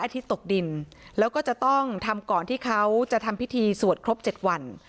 อาทิตย์ตกดินแล้วก็จะต้องทำก่อนที่เขาจะทำพิธีสวดครบ๗วัน